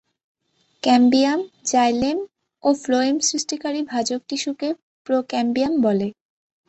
ক্যাম্বিয়াম, xylem ও phloem সৃষ্টিকারী ভাজক টিস্যুকে প্রোক্যাম্বিয়াম বলে।